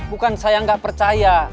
bukan saya gak percaya